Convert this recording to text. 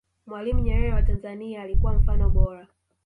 mwalimu nyerere wa tanzania alikuwa mfano bora